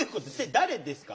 誰ですか？